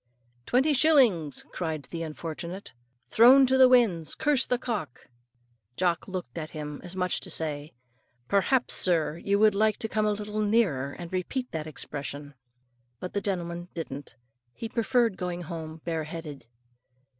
"Twenty shillings," cried that unfortunate, "thrown to the winds! Curse the cock!" Jock looked at him, as much as to say, "Perhaps, sir, you would like to come a little nearer, and repeat that expression." But the gentleman didn't. He preferred going home bare headed.